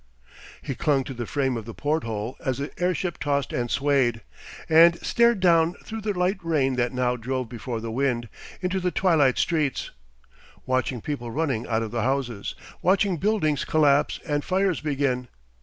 He clung to the frame of the porthole as the airship tossed and swayed, and stared down through the light rain that now drove before the wind, into the twilight streets, watching people running out of the houses, watching buildings collapse and fires begin.